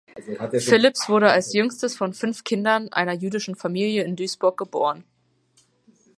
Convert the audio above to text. Philips wurde als jüngstes von fünf Kindern einer jüdischen Familie in Duisburg geboren.